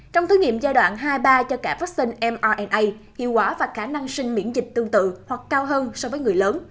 trong thử nghiệm giai đoạn hai ba cho cả vaccine mrna hiệu quả và khả năng sinh miễn dịch tương tự hoặc cao hơn so với người lớn